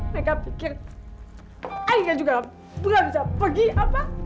saya gak pikir saya juga gak bisa pergi apa